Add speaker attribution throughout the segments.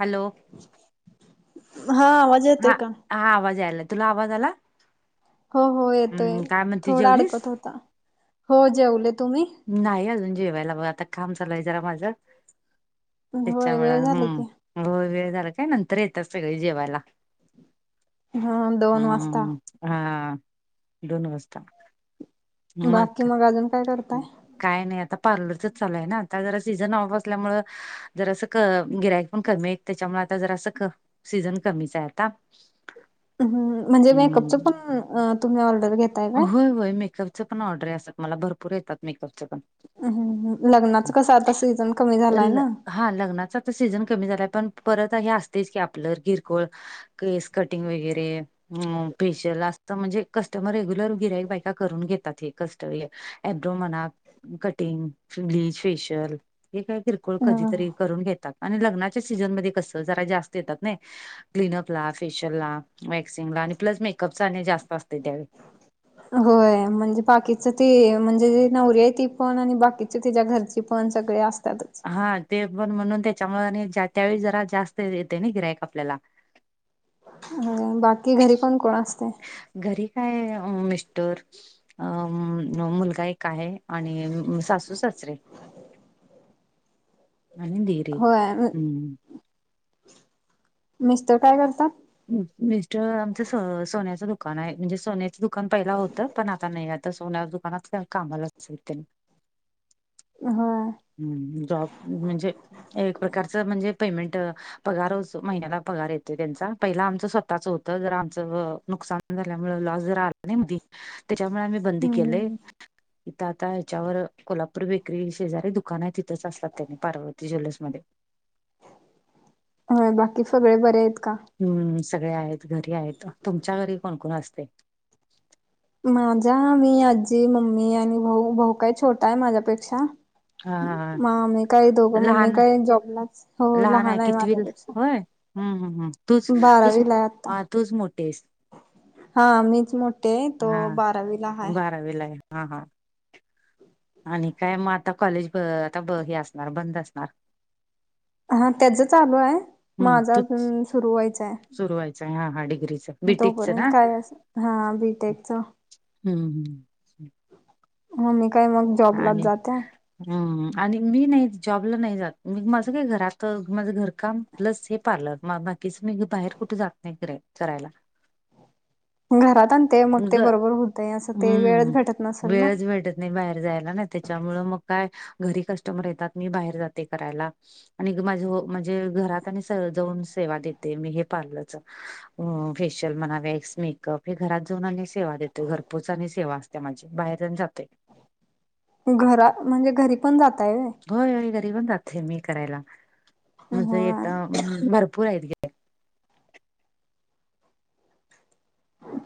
Speaker 1: Hello!
Speaker 2: हा आवाज
Speaker 1: हा
Speaker 2: येतोय का
Speaker 1: हा आवाज यायला तुला आवाज आला.
Speaker 2: हो हो येतोय
Speaker 1: हम्म काय म्हणते
Speaker 2: थोडा
Speaker 1: जेवलीस
Speaker 2: अडकत होता हो जेवले तुम्ही.
Speaker 1: नाही अजून जेवायला बघ आता काम चालू आहे जरा माझं
Speaker 2: होय वेळ
Speaker 1: त्याच्यामुळं
Speaker 2: झाले
Speaker 1: हम्म.
Speaker 2: की
Speaker 1: हो वेळ झाला काय नंतर येतात सगळे जेवायला.
Speaker 2: हा दोन वाजता
Speaker 1: हम्म हा दोन वाजता.
Speaker 2: बाकी मग अजून काय करत.
Speaker 1: काय नाही आता पार्लरचच चालय ना आता जरा सीझन ऑफ असल्यामु जर असं क गिरायक पण कमीत त्याच्यामु आता जर असं क सीझन कमीच आहेता.
Speaker 2: म्हणजे मेकअपच पण तुम्ही ऑर्डर घेताय का.
Speaker 1: होय होय मेकअप च पण ऑर्डर असत्यात मला भरूर येतात मेकअप पण
Speaker 2: ह् लग्नाच कस आता सीझन कमी झालाय
Speaker 1: ल-
Speaker 2: ना.
Speaker 1: हा लग्नाचा तर सीझन कमी झालाय पण परत हे असतेच की आपलं किर कोळ केस कटिंग वगैरे स्पेशल असत म्हणजे कस्टमर रेग्युलर गिरयक बायका करून घेतात हे कस्ट आयब्रो मना कटिंग ब्लीच फेशियल. हे काही किरकोळ कधीतरी
Speaker 2: ह
Speaker 1: करून घेतात आणि लग्नाच्या सीझनमध्येध्ये कस जरा जास्त येतात नाही. क्लीनअप ला फेशियल ला वॅक्सिंग ला आणि प्लस मेकअपचा आणि जास्त असते त्यावेळी
Speaker 2: होय म्हणजे बाकीच ते म्हणजे नवरऱ आहे ती पण आणि बाकी तिच्या घरची पण सगळे असतातच.
Speaker 1: हा ते पण म्हणून त्याच्यामुळे आणि त्यावेळीस जरा जास्त येते ना गिरायक आपल्याला
Speaker 2: अ बाकी घरी कोण कोण असते.
Speaker 1: घरी काय मिस्टर अ मुलगा एक आहे. काय आणि सासू सासरे आणि दीर दीर
Speaker 2: होय
Speaker 1: हम्म.
Speaker 2: मिस्तर काय करतात.
Speaker 1: मिस्टर आमचं सोन्याचं दुकान आहे म्हणजे सोन्याचं दुकान पहिला होतं पण आता नाही आता सोन्या दुकान मनातल्या कामालाचल त्यां
Speaker 2: हा.
Speaker 1: हम् जॉब म्हणजे एक प्रकारचं म्हणजे पेमेंट पगार महिन्याला पगार येतो त्यांचा पहिला आमचं स्वतःच होत जर आमचं नुकसान झाल्यामुळे लॉस जरा आला नाही म त्याच्यामुळे आम्ही बंदी केले.
Speaker 2: हम्म
Speaker 1: इथ आता ह्याच्यावर कोल्हापूर बेकरी शेजारी दुख दुकान आहे तिथंच असलात त्यानी पार्वती ज्वेलर्स मध्ये
Speaker 2: होय बाकी सगळे बरे आहेत का?
Speaker 1: हम्म सगळे आहेत घरी आहेत तुमच्या घरी कोणकोण असतय.
Speaker 2: माझा मी आजी, मम्मी आणि भाऊ, भाऊ काय छोटा आहे माझ्यापेक्षा.
Speaker 1: हा
Speaker 2: म मी काय दोघं मम्मी
Speaker 1: लहान
Speaker 2: काय जॉबलाच.
Speaker 1: लहान आहे कितवी होय हम्म हम्म हम्म तूच तूच
Speaker 2: बारावीला आहे आता
Speaker 1: तूच मोठी आहेस.
Speaker 2: हा मीच मोठी हाय,
Speaker 1: हा
Speaker 2: तो बारावीला हाय.
Speaker 1: बारावीला आहे हा हा आणि काय मग आता कॉलेज आता हे असणार बंद असणार.
Speaker 2: हा त्याच चालू आहे
Speaker 1: हम्म
Speaker 2: माझा
Speaker 1: तूच
Speaker 2: अजून सुरू व्हायचाय.
Speaker 1: सुरू व्हायचंय हां हा डिग्रीचं.
Speaker 2: मग
Speaker 1: बीटेकचं
Speaker 2: तोपर्यंत
Speaker 1: ना
Speaker 2: काय अस हा बी टेक च.
Speaker 1: हम्म हम्म.
Speaker 2: मम्मी काय मग. जॉबलाच
Speaker 1: आणि.
Speaker 2: जात्या.
Speaker 1: हम् आणि मी नाही जॉबला नाही जात म माझं काय घरात माझं घर काम. प्लस हे पार्लर बाकीच मी बाहेर कुठे जात नाही के करायला.
Speaker 2: घरात आणते मग ते
Speaker 1: ग
Speaker 2: बरोबर होतय असं ते वेळच
Speaker 1: हम्म
Speaker 2: भेटत नसेल ना.
Speaker 1: वेळच भेटत नाही बाहेर जायला नाही त्याच्यामुळ मग काय घरी कस्टमर येतात मी बाहेर जाते करायला. आणि माझे म्हणजे घरात आणि जाऊन सेवा देते मी हे पार्लरच. अ फेशिल म्हणा [unintelligible] मेकअप हे घरात. जाऊन आणि सेवा देतोय घरपोच आणि सेवा असत्या माझी बाहेरण जातोय.
Speaker 2: घरा म्हणजे घरी पण जाताय वय.
Speaker 1: होय घरी पण जातोय मी करायला म्हणजे येत
Speaker 2: होय.
Speaker 1: भरपूर आहेत गे.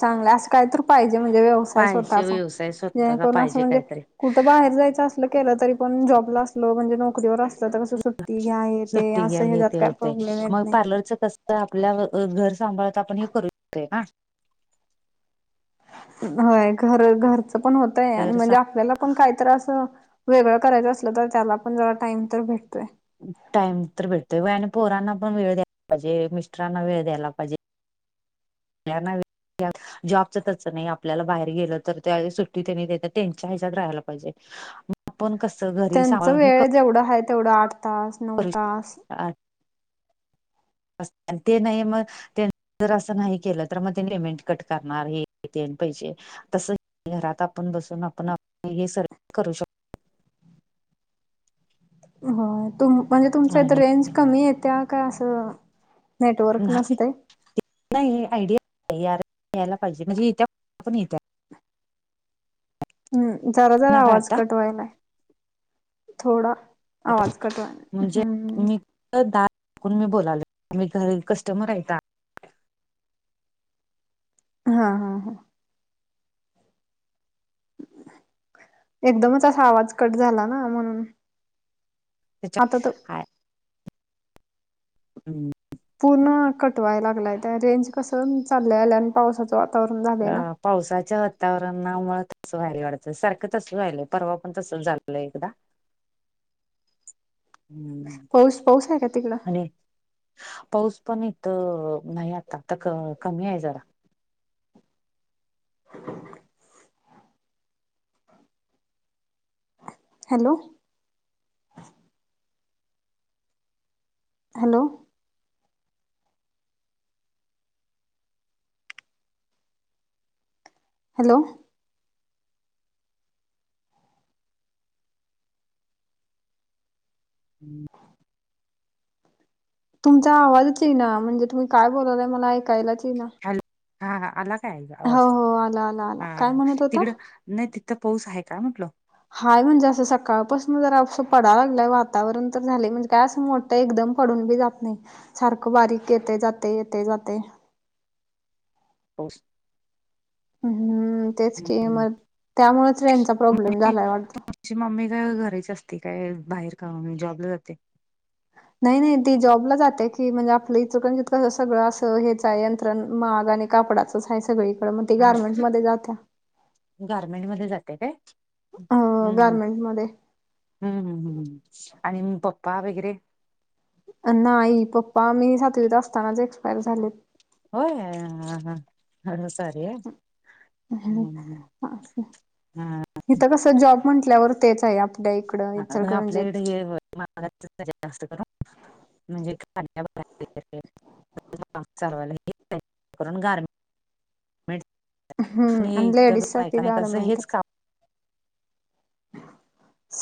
Speaker 2: चांगलं असं काय तर पाहिजे म्हणजे व्यवस [unintelligible] स्वतः
Speaker 1: पाहिजे व्यवसाय स्वतःचा
Speaker 2: जेणेकरून अस
Speaker 1: पाहिजे
Speaker 2: म्हणजे
Speaker 1: काहीतरी
Speaker 2: कुठ बाहेर जायचं अस केलं तरी पण जॉबला असलो म्हणजे नोकरीवर असता तर कसं सुट ती घ्या हे ते
Speaker 1: सुट्टी घ्या
Speaker 2: असं हच्यात काय प्रॉब्लेम येत नाही.
Speaker 1: तर आपल्या घर सांभाळत आपण हे करू [unintelligible] का.
Speaker 2: होय घर घरचं पण होतंय आणि
Speaker 1: तर
Speaker 2: म्हणजे आपल्याला आपण काहीतर अस वेगळं करायचं असलं तर त्याला पण जरा टाइम तर भेटतोय.
Speaker 1: टाइम तर भेटतोय वय आणि पोरांना पण वेळ द्या. पजे मिस्टरांना वेळ द्यायला पाहिजे याना वे जॉबचं त्याच नाही आपल्याला बाहेर गेलं तर त्या वेळी सुट्टी त्यांनी देत्यात त्यांच्या ह्याच्यात राहायला पाहिजे. आपण कस घ
Speaker 2: त्यांच वेळ जेवढा आहे तेवढं आठ तास. नऊ तास
Speaker 1: [unintelligible] अस ते नाही म. त्यां जर असं नाही केलं तर मग त्यांनी लिमेंट कट करणार हेन तेन पैसे. तस घरात आपण बसून आपण हे सर्व करू शक
Speaker 2: हो तुम म्हणजे तुमच्या इथ
Speaker 1: आणि
Speaker 2: रेंज कमी येत्या काय असं नेटवर्क
Speaker 1: नाही
Speaker 2: नसतय.
Speaker 1: नाही आयडिया यायला पाहिजे म्हणजे येत्या [unintelligible] येत्या.
Speaker 2: हम् जरा जरा
Speaker 1: ना का
Speaker 2: आवाज
Speaker 1: आता
Speaker 2: कटवालाय थोडा. आवाज कटवालाय हम्म.
Speaker 1: ते दा मी बोलालोय घरी कस्टमर आहेका
Speaker 2: हा हा हा! एकदमच असा आवाज कट झाला ना म्हणून.
Speaker 1: त्याच्या
Speaker 2: आता तर
Speaker 1: हा हम्!
Speaker 2: पूर्ण कटवाय लागलाय त्या रेंज कसं चाललं आल्या आणि पावसाचं वातावरण झालंय ना.
Speaker 1: अ पावसाच्या वातावरणामुळ तस व्हायलय वाटत सारखं तसं व्हायलय परवा पण तस झालेलंय एकदा. हम्म.
Speaker 2: पाऊस, पाऊस आहे का तिकडं?
Speaker 1: आणि पाऊस पण इथं नाही आताता क कमी आहे जरा.
Speaker 2: हॅलो! हॅलो! हॅलो!
Speaker 1: हम्म!
Speaker 2: तुमचा आवाजच ये ना म्हणजे तुम्ही काय बोलाय मला ऐकायलाच ये ना.
Speaker 1: हॅलो हा ह अला
Speaker 2: हो हो आला आला आला काय म्हणत होता?
Speaker 1: तिकडं नाही तिथं पाऊस आहे का म्हटलं?
Speaker 2: हाय म्हणजे असं सकाळपासून जरं पडाय लाग वातावरण तर झाले म्हणजे काय असं मोठ त एकदम पडून बी जात नाही सारखं बारीक येते जाते येते जातेय.
Speaker 1: पाउस.
Speaker 2: हम्म! तेच की म त्यामुळच रेंजचा प्रॉब्लेम झालाय वाटत.
Speaker 1: तची मम्मी काय घरीची असते काय बाहेर का जॉबला जाते.
Speaker 2: नाही नाही ती जॉबला जाते की म्हणजे आपलं इचलकरंजीत कसं सगळं असं हेच यंत्रण माग आणि कापडाचच आहे सगळीकड मग ते
Speaker 1: हा
Speaker 2: गारमेंट मध्ये जात्या.
Speaker 1: गारमेंट मध्ये जाते काय?
Speaker 2: गारमेंट मध्ये.
Speaker 1: हम्मम हम्म! आणि पप्पा वगैरे?
Speaker 2: नाही पप्पा मी सातवीत असतानाच एक्सपायर झालेत.
Speaker 1: होय ह ह. खर सॉरी हा हम हम
Speaker 2: असं.
Speaker 1: हा.
Speaker 2: इथं कसं जॉब म्हटल्यावर तेच आहे आपल्या इकडं इचलकरंजी.
Speaker 1: वाघाचा जास्त करून म्हणजे [unintelligible] [unintelligible] चालवायला येते म्हणून गारमेंटच
Speaker 2: हम्म!
Speaker 1: हे
Speaker 2: अन
Speaker 1: इथ
Speaker 2: लेडीज साठी
Speaker 1: बायका नाही कसं हेच
Speaker 2: गारमेंटच.
Speaker 1: काम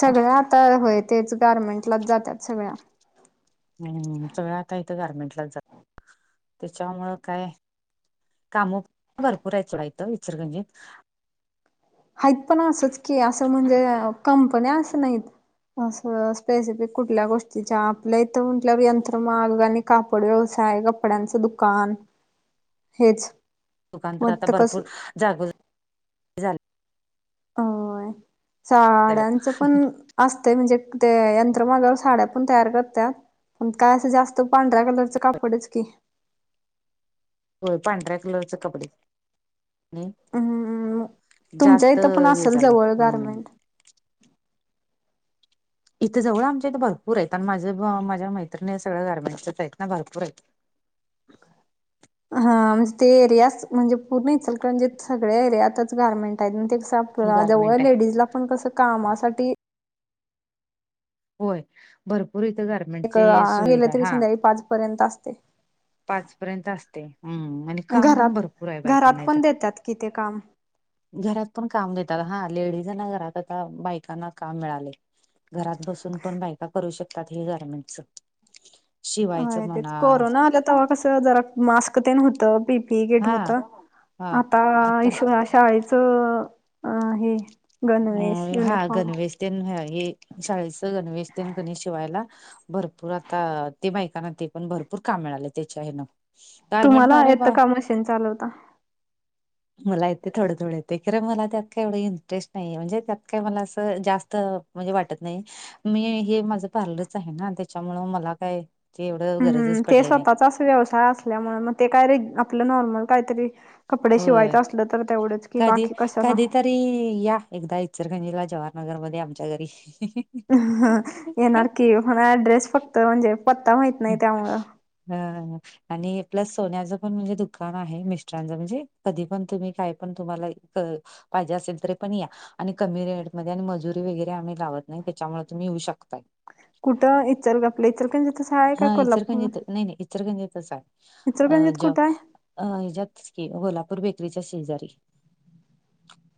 Speaker 2: सगळ्या आता होय तेच गारमेंटलाच जातात सगळ्या.
Speaker 1: हम्म सगळं आता इथं गारमेंटला जात त्याच्यामुळं काय काम भरपूर आहेत सोडा इचलकरंजी त.
Speaker 2: हाइत पण असंच की असं म्हणजे कंपन्या असं नाहीत. असं स्पेसिफिक कुठल्या गोष्टीच्या आपल्या इथं म्हटल्या यंत्रमाग आणि कापड व्यवसाय कपड्यांचं दुकान हेच.
Speaker 1: दुकान तर
Speaker 2: मग
Speaker 1: आता
Speaker 2: त कसं
Speaker 1: भरपूर जागोजा
Speaker 2: होय
Speaker 1: सगळं
Speaker 2: झाडांचं पण असते म्हणजे ते यंत्रमागावर साड्या पण तयार करत्यात. पण काय असं जास्त पांढऱ्या कलरचं कापडच की.
Speaker 1: होय पांढऱ्या कलरचे कपडे. आणि
Speaker 2: हम्म.. तुमच्या
Speaker 1: जास्त
Speaker 2: इथं पण
Speaker 1: हे
Speaker 2: असेल
Speaker 1: झाले
Speaker 2: जवळ
Speaker 1: हम्म
Speaker 2: गारमेंट.
Speaker 1: इथे जवळ आमच्या इथे भरपूर आहेत आणि माझं माझ्या मैत्रणी सगळ्या गारमेंटच आहे भरपूर आहेत.
Speaker 2: हा, म्हणजे ते एरियाच म्हणजे, पूर्ण इचलकरंजीत सगळे एरियातच गारमेंट आहेत, मग ते कस आ- पला जवळ
Speaker 1: गारमेंट आहे
Speaker 2: लेडीज ला पण कस कामासाठी-
Speaker 1: होय, भरपूर इथं गार-
Speaker 2: एक आ.. गेल तरी संध्याकाळी पाच पर्यंत असतय.
Speaker 1: पाच पर्यंत असतय, हम्म आणि काम पण
Speaker 2: घरात
Speaker 1: भरपूर आहे बायकांना
Speaker 2: घरात
Speaker 1: इथं.
Speaker 2: पण देतात कि ते काम-
Speaker 1: घरात पण काम देतात. हा, लेडीजांना घरात आता बायकांना काम मिळालय. घरात बसून पण बायका करू शकतात हे गारमेंटच. शिवायचं
Speaker 2: होय, तेच
Speaker 1: म्हणा
Speaker 2: कोरोना आल्यात- तवा कस जरा मास्क होत, पी पी इ किट
Speaker 1: हा
Speaker 2: होत आता [unintelligible] शाळेचं हे गणवेश, युनिफॉर्म.
Speaker 1: ते न्हव हे, शाळेच गणवेश तेन कनी शिवायला- भरपूर आता ते बायकांना ते पण भरपूर काम मिळालय, त्याच्या हेन. गारमेंट
Speaker 2: तुम्हाला
Speaker 1: अरे
Speaker 2: येतं
Speaker 1: वा
Speaker 2: का मशीन चालवता?
Speaker 1: मला येतय, थोडं, थोडं येतय, खर मला त्यात का एवढं इंटरेस्ट नाहीेये, म्हणजे त्यात काय मला असं जास्त- म्हणजे वाटत नाही, मी हे माझं पार्लरच आहे ना, त्याच्यामुळ मला काय- ते एवढं
Speaker 2: हम्म
Speaker 1: गरजच
Speaker 2: ते
Speaker 1: पडले नाही.
Speaker 2: स्वतःचा अस व्यवसाय असल्यामुळे, मग ते काय र आपलं नॉर्मल काहीतरी- कपडे
Speaker 1: होय
Speaker 2: शिवायचं असलं तर तेवढंच की, बाकी कशाला?
Speaker 1: अरे या, एकदा इचलकरंजीला जवाहर नगर मध्ये आमच्या घरी.
Speaker 2: ह, येणार की, म्हणा अड्रेस फक्त म्हणजे- पत्ता माहीत -
Speaker 1: [unintelligible] हा, हा. आणि प्लस सोन्याचं पण म्हणजे दुकान आहे, मिस्टरांच म्हणजे कधी पण, तुम्ही काय पण तुम्हाला- पाहिजे असेल तरी पण या. आणि कमी रेटमध्ये आणि मजुरी वगैरे आम्ही लावत नाही, त्याच्यामुळे तुम्ही येऊ शकताय.
Speaker 2: कुठ? इचलक- आपल्या इचलकरंजीतच हाय?
Speaker 1: हा, इचलकरंजीत नाही -नाही इचलकरंजीतच आहे. अ..
Speaker 2: इचलकरंजीत
Speaker 1: जॉब.
Speaker 2: कुठं आहे
Speaker 1: अ.. हच्यात की, कोल्हापूर बेकरीच्या शेजारी.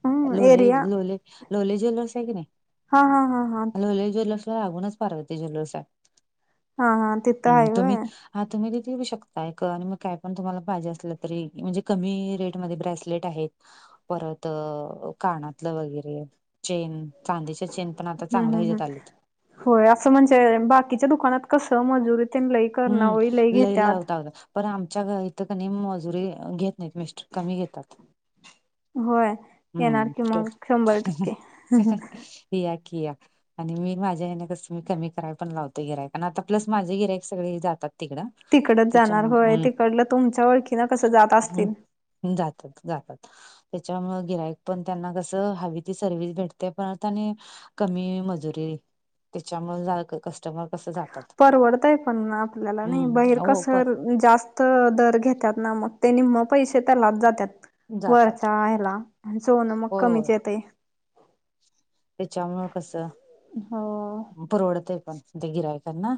Speaker 2: हम्म
Speaker 1: लोले,
Speaker 2: एरिया
Speaker 1: लोले, लोले ज्वेलर्स आहे की नाही-
Speaker 2: हा हा हा हा
Speaker 1: लोले ज्वेलर्सला लागूनच पार्वती ज्वेलर्स हाय.
Speaker 2: हा, हा. तिथं
Speaker 1: हं,
Speaker 2: आहे व्हय
Speaker 1: तुम्ही हा तुम्ही तिथे शकताय का आणि मग काय पण तुम्हाला पाहिजे असलं तरी, म्हणजे- कमी रेटमध्ये ब्रेसलेट आहेत. परत कानातलं वगैरे, चेन. चांदीच्या चेन पण आता
Speaker 2: हम्म
Speaker 1: चांगल्या
Speaker 2: हम्म हम्म
Speaker 1: ह्याजात आलेत.
Speaker 2: होय, असं म्हणजे, बाकीच्या दुकानात कसं मजुरी ते लई- करणावळी लई
Speaker 1: हम्म, लय
Speaker 2: घेत्यात
Speaker 1: लावतात. पण आमच्या इथं कणी मजुरी घेत नाहीत मिस्टर, कमी घेतात.
Speaker 2: होय येणार
Speaker 1: हम्म.
Speaker 2: की मग शंभर टक्के
Speaker 1: [unintelligible] या कि या, आणि मी माझ्या हेन कस, मी कमी कराय पण लावतो गिरायकाना, आता प्लस माझ गिरायक- सगळे जातात तिकडं.
Speaker 2: तिकडच जाणार
Speaker 1: त्याच्या
Speaker 2: होय. तिकडल तुमच्या ओळखीन कसं जात असतील.
Speaker 1: हूं जातात, जातात. त्याच्यामुळ गिराइक पण त्यांना कस हवी ती सर्व्हिस भेटते, परत आणि कमी मजुरी, त्याच्यामुळ जाक कस्टमर कस जातात.
Speaker 2: परवडतय पण आपल्याला नयं बहेर
Speaker 1: हम्म हो
Speaker 2: कस
Speaker 1: पर
Speaker 2: जास् त दर घेत्यात ना, म ते निम्म पैसे त्यालाच जात्यात.
Speaker 1: जातात
Speaker 2: वरच्यां ह्याला अनं सोन मग
Speaker 1: होय
Speaker 2: कमीच येतयं.
Speaker 1: त्याच्यामुळ कस,
Speaker 2: हो
Speaker 1: परवडतं पण ते गिरायकांना.